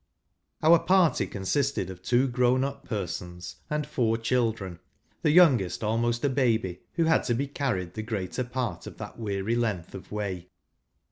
Our pairty consisted of two grown, up persons and four children, the youngest almost a baby, who liad to be carried the greater part of tliat weary length of way.